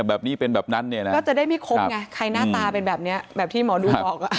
แบบนี้เป็นแบบนั้นเนี่ยนะก็จะได้ไม่ครบไงใครหน้าตาเป็นแบบนี้แบบที่หมอดูบอกอ่ะ